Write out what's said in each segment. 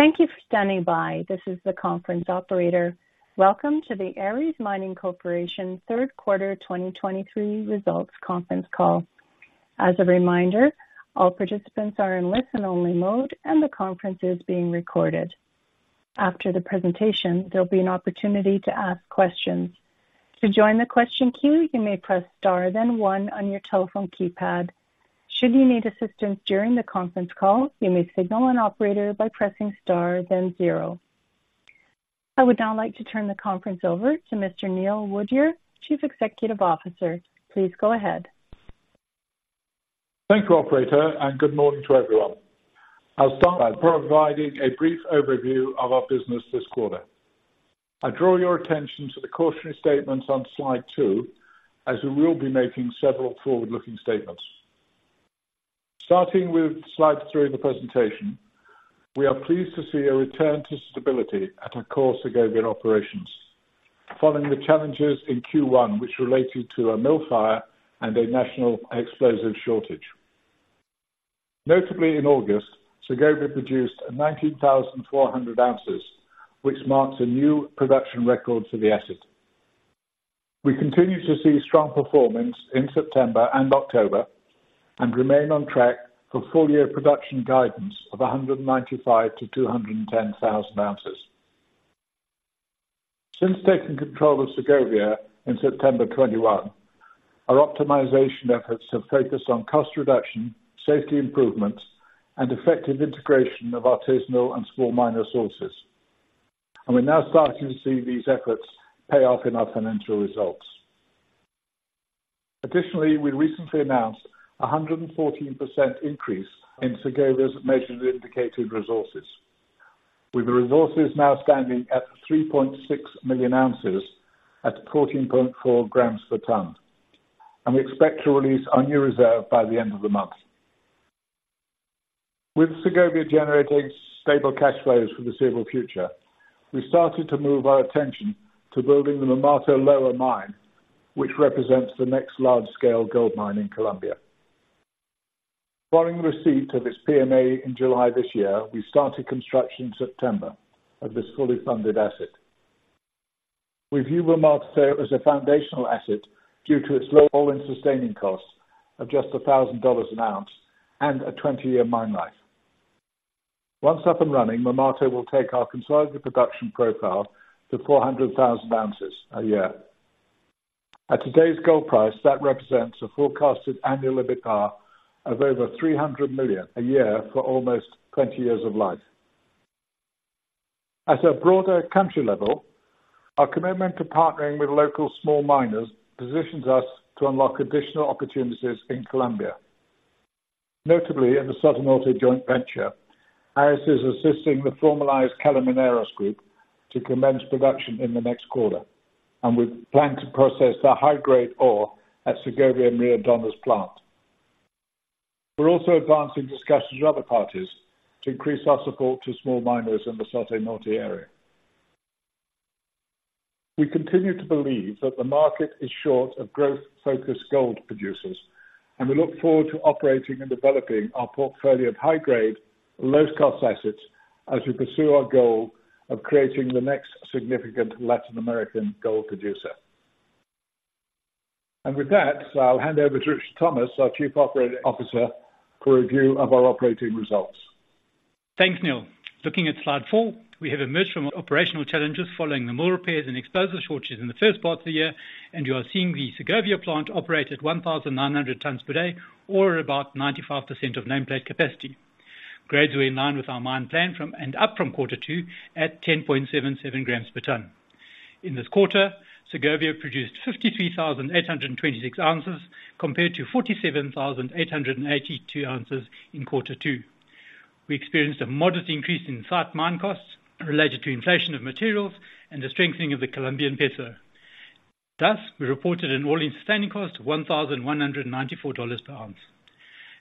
Thank you for standing by. This is the conference operator. Welcome to the Aris Mining Corporation third quarter 2023 results conference call. As a reminder, all participants are in listen-only mode, and the conference is being recorded. After the presentation, there'll be an opportunity to ask questions. To join the question queue, you may press star, then one on your telephone keypad. Should you need assistance during the conference call, you may signal an operator by pressing star, then zero. I would now like to turn the conference over to Mr. Neil Woodyer, Chief Executive Officer. Please go ahead. Thank you, Operator, and good morning to everyone. I'll start by providing a brief overview of our business this quarter. I draw your attention to the cautionary statements on Slide 2, as we will be making several forward-looking statements. Starting with Slide 3 of the presentation, we are pleased to see a return to stability at our core Segovia operations, following the challenges in Q1, which related to a mill fire and a national explosive shortage. Notably in August, Segovia produced 19,400 ounces, which marks a new production record for the asset. We continue to see strong performance in September and October and remain on track for full-year production guidance of 195,000-210,000 ounces. Since taking control of Segovia in September 2021, our optimization efforts have focused on cost reduction, safety improvements, and effective integration of artisanal and small miner sources, and we're now starting to see these efforts pay off in our financial results. Additionally, we recently announced a 114% increase in Segovia's measured indicated resources, with the resources now standing at 3.6 million ounces at 14.4 grams per ton. We expect to release our new reserve by the end of the month. With Segovia generating stable cash flows for the foreseeable future, we started to move our attention to building the Marmato Lower Mine, which represents the next large-scale gold mine in Colombia. Following the receipt of its PMA in July this year, we started construction in September of this fully funded asset. We view Marmato as a foundational asset due to its low all-in sustaining cost of just $1,000 an ounce and a 20-year mine life. Once up and running, Marmato will take our consolidated production profile to 400,000 ounces a year. At today's gold price, that represents a forecasted annual EBITDA of over $300 million a year for almost 20 years of life. At a broader country level, our commitment to partnering with local small miners positions us to unlock additional opportunities in Colombia. Notably, in the Soto Norte joint venture, Aris is assisting the formalized Calimineros group to commence production in the next quarter, and we plan to process the high-grade ore at Segovia Maria Dama's plant. We're also advancing discussions with other parties to increase our support to small miners in the Soto Norte area. We continue to believe that the market is short of growth-focused gold producers, and we look forward to operating and developing our portfolio of high-grade, low-cost assets as we pursue our goal of creating the next significant Latin American gold producer. And with that, I'll hand over to Richard Thomas, our Chief Operating Officer, for a review of our operating results. Thanks, Neil. Looking at Slide 4, we have emerged from operational challenges following the mill repairs and explosive shortages in the first part of the year, and you are seeing the Segovia plant operate at 1,900 tons per day, or about 95% of nameplate capacity. Grades are in line with our mine plan from, and up from quarter two at 10.77 grams per ton. In this quarter, Segovia produced 53,826 ounces, compared to 47,882 ounces in quarter two. We experienced a modest increase in site mine costs related to inflation of materials and the strengthening of the Colombian peso. Thus, we reported an all-in sustaining cost of $1,194 per ounce.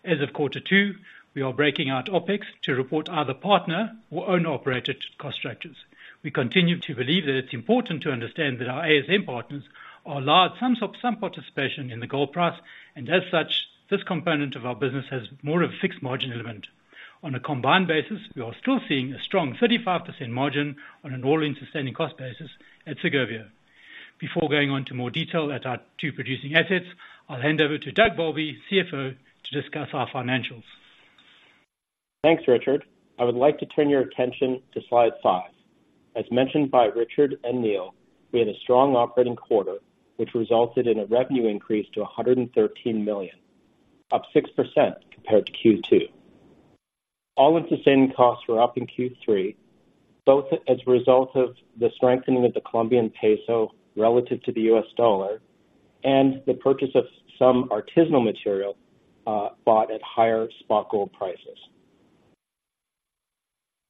As of quarter two, we are breaking out OpEx to report either partner or owner-operated cost structures. We continue to believe that it's important to understand that our ASM partners are allowed some participation in the gold price, and as such, this component of our business has more of a fixed margin element. On a combined basis, we are still seeing a strong 35% margin on an all-in sustaining cost basis at Segovia. Before going on to more detail at our two producing assets, I'll hand over to Doug Bowlby, CFO, to discuss our financials. Thanks, Richard. I would like to turn your attention to Slide 5. As mentioned by Richard and Neil, we had a strong operating quarter, which resulted in a revenue increase to $113 million, up 6% compared to Q2. All-in sustaining costs were up in Q3, both as a result of the strengthening of the Colombian peso relative to the U.S. dollar and the purchase of some artisanal material, bought at higher spot gold prices.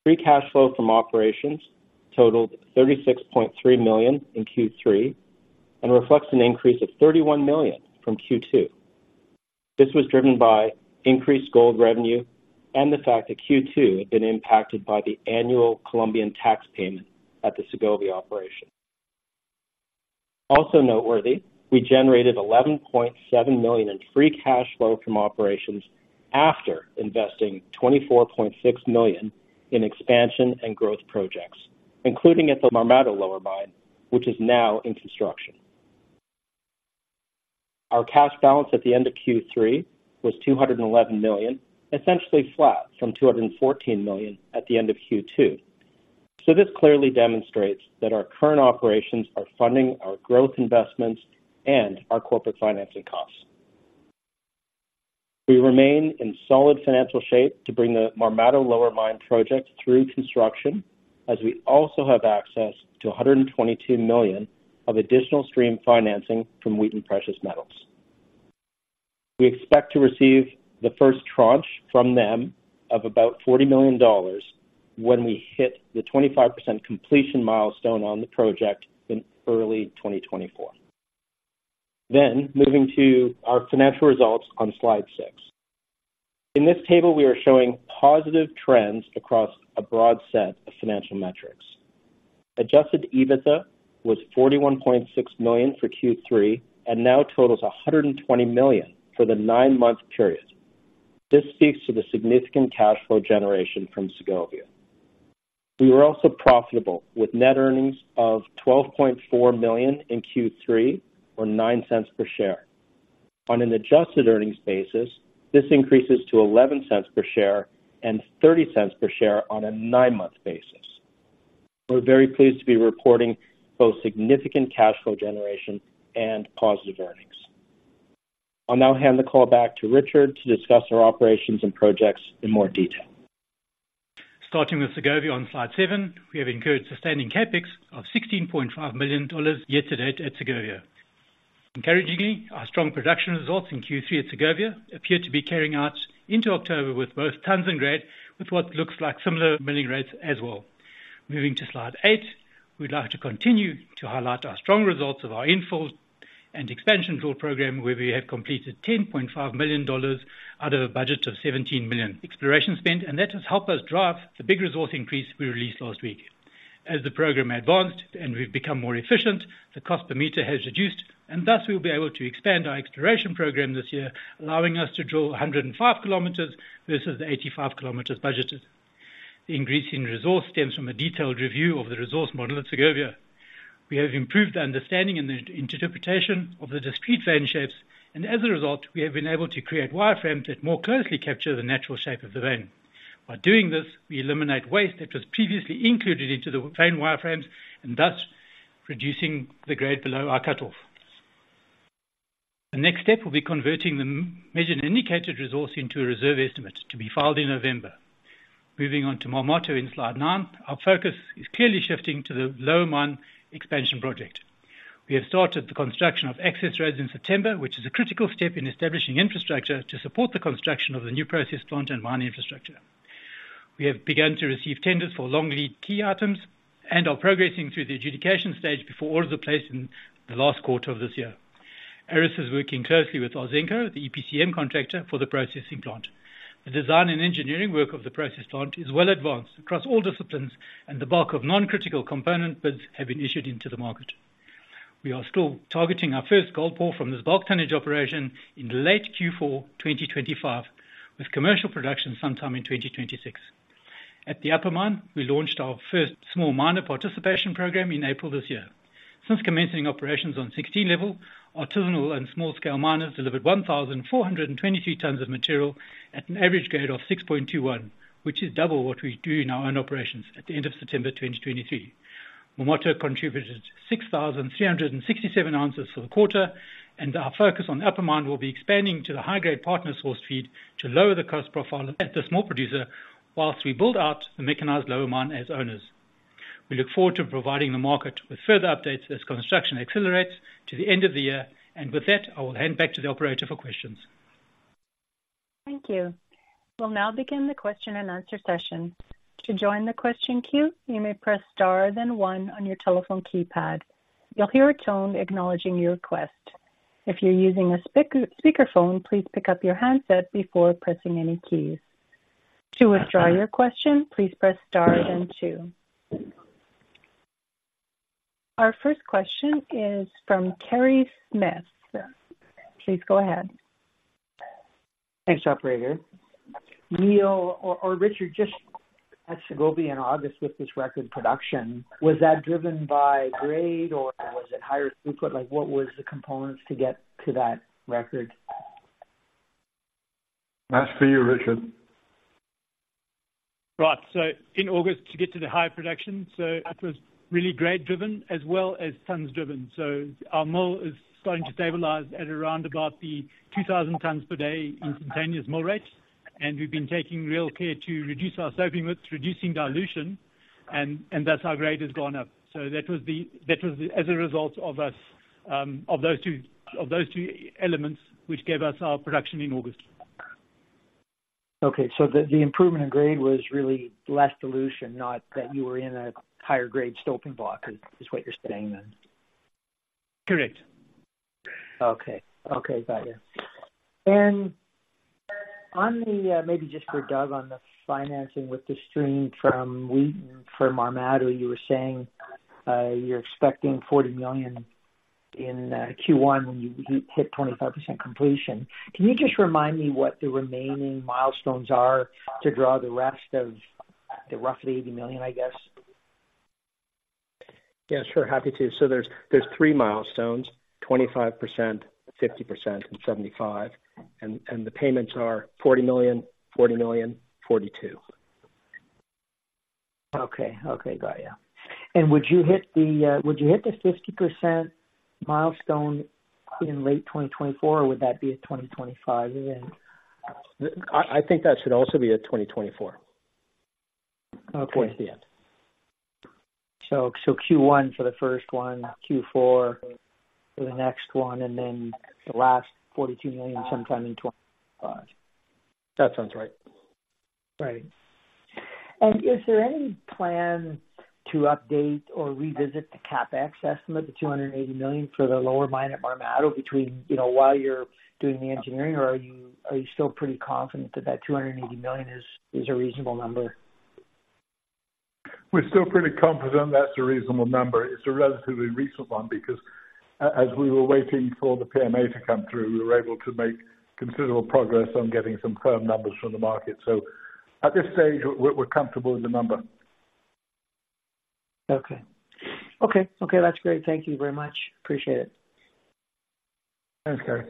Free cash flow from operations totaled $36.3 million in Q3 and reflects an increase of $31 million from Q2. This was driven by increased gold revenue and the fact that Q2 had been impacted by the annual Colombian tax payment at the Segovia operation. Also noteworthy, we generated $11.7 million in free cash flow from operations after investing $24.6 million in expansion and growth projects, including at the Marmato Lower Mine, which is now in construction. Our cash balance at the end of Q3 was $211 million, essentially flat from $214 million at the end of Q2. So this clearly demonstrates that our current operations are funding our growth investments and our corporate financing costs. We remain in solid financial shape to bring the Marmato Lower Mine project through construction, as we also have access to $122 million of additional stream financing from Wheaton Precious Metals. We expect to receive the first tranche from them of about $40 million when we hit the 25% completion milestone on the project in early 2024. Then, moving to our financial results on Slide 6. In this table, we are showing positive trends across a broad set of financial metrics. Adjusted EBITDA was $41.6 million for Q3 and now totals $120 million for the nine-month period. This speaks to the significant cash flow generation from Segovia. We were also profitable with net earnings of $12.4 million in Q3 or $0.09 per share. On an adjusted earnings basis, this increases to $0.11 per share and $0.30 per share on a nine-month basis. We're very pleased to be reporting both significant cash flow generation and positive earnings. I'll now hand the call back to Richard to discuss our operations and projects in more detail. Starting with Segovia on Slide 7, we have incurred sustaining CapEx of $16.5 million year to date at Segovia. Encouragingly, our strong production results in Q3 at Segovia appear to be carrying out into October with both tons and grade, with what looks like similar milling rates as well. Moving to Slide 8. We'd like to continue to highlight our strong results of our infill and expansion tool program, where we have completed $10.5 million out of a budget of $17 million exploration spend, and that has helped us drive the big resource increase we released last week. As the program advanced and we've become more efficient, the cost per meter has reduced, and thus we'll be able to expand our exploration program this year, allowing us to drill 105 kilometers versus the 85 kilometers budgeted. The increase in resource stems from a detailed review of the resource model at Segovia. We have improved the understanding and the interpretation of the discrete vein shapes, and as a result, we have been able to create wireframes that more closely capture the natural shape of the vein. By doing this, we eliminate waste that was previously included into the vein wireframes and thus reducing the grade below our cutoff. The next step will be converting the M&I measured and indicated resource into a reserve estimate to be filed in November. Moving on to Marmato in Slide 9, our focus is clearly shifting to the Lower Mine expansion project. We have started the construction of access roads in September, which is a critical step in establishing infrastructure to support the construction of the new process plant and mine infrastructure. We have begun to receive tenders for long lead key items and are progressing through the adjudication stage before orders are placed in the last quarter of this year. Aris is working closely with Ausenco, the EPCM contractor, for the processing plant. The design and engineering work of the process plant is well advanced across all disciplines, and the bulk of non-critical component bids have been issued into the market. We are still targeting our first gold pour from this bulk tonnage operation in late Q4 2025, with commercial production sometime in 2026. At the upper mine, we launched our first small miner participation program in April this year. Since commencing operations on 60 level, artisanal and small-scale miners delivered 1,422 tons of material at an average grade of 6.21, which is double what we do in our own operations at the end of September 2023. Marmato contributed 6,367 ounces for the quarter, and our focus on the upper mine will be expanding to the high-grade partner source feed to lower the cost profile at the small producer, while we build out the mechanized lower mine as owners. We look forward to providing the market with further updates as construction accelerates to the end of the year. With that, I will hand back to the operator for questions. Thank you. We'll now begin the question and answer session. To join the question queue, you may press star then one on your telephone keypad. You'll hear a tone acknowledging your request. If you're using a speakerphone, please pick up your handset before pressing any keys. To withdraw your question, please press star then two. Our first question is from Kerry Smith. Please go ahead. Thanks, Operator. Neil or, or Richard, just at Segovia in August with this record production, was that driven by grade or was it higher throughput? Like, what was the components to get to that record? That's for you, Richard. Right. So in August, to get to the higher production, so that was really grade-driven as well as tons-driven. So our mill is starting to stabilize at around about 2,000 tons per day instantaneous mill rate, and we've been taking real care to reduce our stoping with reducing dilution, and thus our grade has gone up. So that was the, that was the - as a result of us, of those two, of those two elements, which gave us our production in August. Okay. So the improvement in grade was really less dilution, not that you were in a higher grade stoping block, what you're saying then? Correct. Okay. Okay, got it. On the, maybe just for Doug, on the financing with the stream from Wheaton, from Marmato, you were saying, you're expecting $40 million in Q1 when you hit 25% completion. Can you just remind me what the remaining milestones are to draw the rest of the roughly $80 million, I guess? Yeah, sure. Happy to. So there's three milestones: 25%, 50%, and 75%, and the payments are $40 million, $40 million, $42 million. Okay. Okay, got you. And would you hit the 50% milestone in late 2024, or would that be a 2025 event? I think that should also be a 2024. Okay. Toward the end. So, Q1 for the first one, Q4 for the next one, and then the last $42 million sometime in 2025. That sounds right. Right. And is there any plan to update or revisit the CapEx estimate, the $280 million for the lower mine at Marmato between, you know, while you're doing the engineering? Or are you, are you still pretty confident that that $280 million is, is a reasonable number? We're still pretty confident that's a reasonable number. It's a relatively recent one because as we were waiting for the PMA to come through, we were able to make considerable progress on getting some firm numbers from the market. So at this stage, we're comfortable with the number. Okay. Okay, okay, that's great. Thank you very much. Appreciate it. Thanks, Kerry.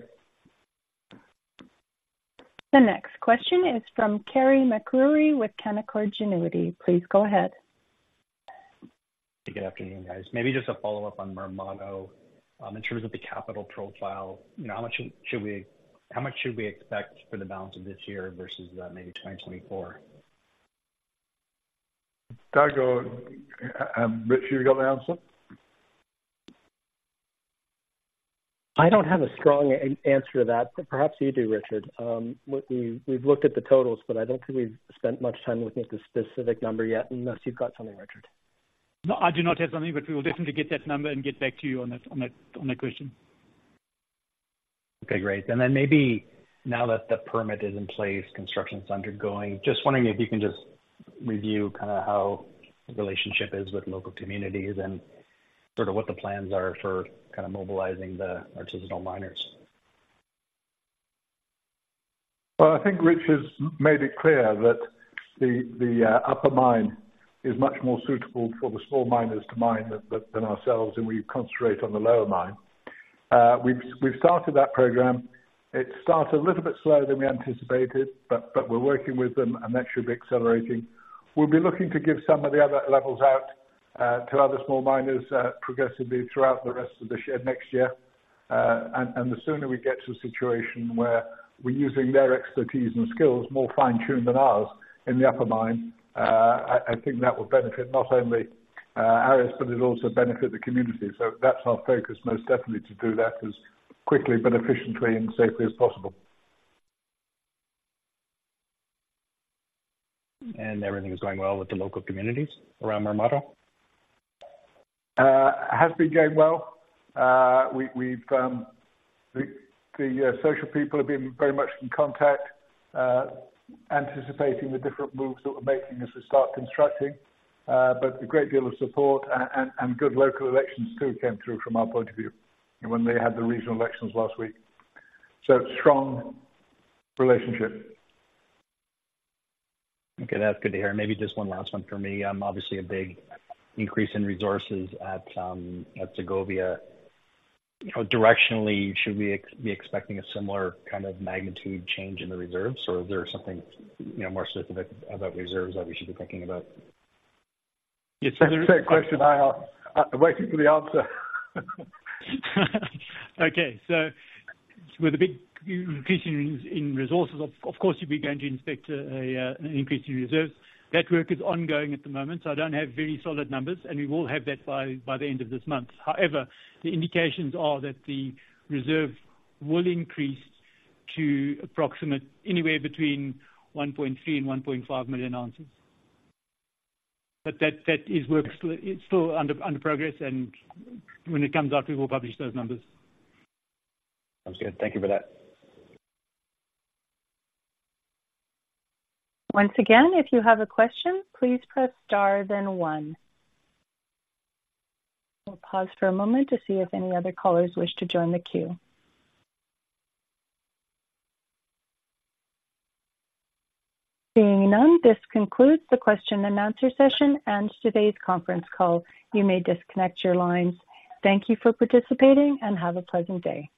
The next question is from Carey MacRury with Canaccord Genuity. Please go ahead. Good afternoon, guys. Maybe just a follow-up on Marmato. In terms of the capital profile, you know, how much should we... How much should we expect for the balance of this year versus maybe 2024? Doug or, Rich, you got the answer? I don't have a strong answer to that, but perhaps you do, Richard. We've looked at the totals, but I don't think we've spent much time looking at the specific number yet, unless you've got something, Richard. No, I do not have something, but we will definitely get that number and get back to you on that question. Okay, great. Then maybe now that the permit is in place, construction is undergoing, just wondering if you can just review kind of how the relationship is with local communities and sort of what the plans are for kind of mobilizing the artisanal miners. Well, I think Richard's made it clear that the upper mine is much more suitable for the small miners to mine than ourselves, and we concentrate on the lower mine. We've started that program. It started a little bit slower than we anticipated, but we're working with them, and that should be accelerating. We'll be looking to give some of the other levels out to other small miners progressively throughout the rest of this year, next year. And the sooner we get to a situation where we're using their expertise and skills, more fine-tuned than ours in the upper mine, I think that will benefit not only us, but it'll also benefit the community. So that's our focus, most definitely, to do that as quickly but efficiently and safely as possible. Everything is going well with the local communities around Marmato? Has been going well. We've the social people have been very much in contact, anticipating the different moves that we're making as we start constructing. But a great deal of support and good local elections too came through from our point of view when they had the regional elections last week. So strong relationship. Okay, that's good to hear. Maybe just one last one for me. Obviously, a big increase in resources at Segovia. You know, directionally, should we be expecting a similar kind of magnitude change in the reserves, or is there something, you know, more specific about reserves that we should be thinking about? Yes, so Great question. I, I'm waiting for the answer. Okay. So with a big increase in resources, of course, you'd be going to expect an increase in reserves. That work is ongoing at the moment, so I don't have very solid numbers, and we will have that by the end of this month. However, the indications are that the reserve will increase to approximate anywhere between 1.3 and 1.5 million ounces. But that is work still, it's still under progress, and when it comes out, we will publish those numbers. Sounds good. Thank you for that. Once again, if you have a question, please press star then one. We'll pause for a moment to see if any other callers wish to join the queue. Seeing none, this concludes the question and answer session and today's conference call. You may disconnect your lines. Thank you for participating, and have a pleasant day.